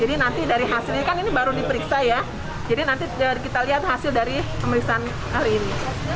nanti dari hasilnya kan ini baru diperiksa ya jadi nanti kita lihat hasil dari pemeriksaan kali ini